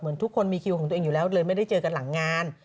ทุกคนมีคิวของตัวเองอยู่แล้วเลยไม่ได้เจอกันหลังงาน